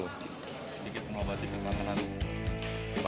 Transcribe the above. sedikit pengobat di tengah tengah